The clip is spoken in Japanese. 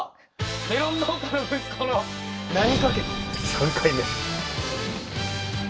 ３回目。